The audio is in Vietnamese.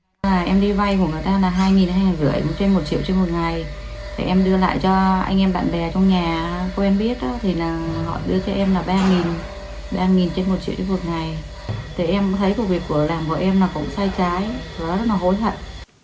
cơ quan cảnh sát điều tra công an thành phố gia nghĩa đã làm việc được với hai người vay tiền đồ vật tài liệu có liên quan đến hoạt động cho vay lãi nặng gồm một điện thoại di động một số tài liệu khác